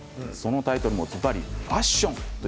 タイトルは、ずばり「ファッション！！」。